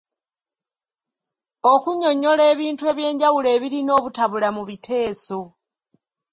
Okunnyonnyola ebintu eby'enjawulo ebirina obutabula mu biteeso.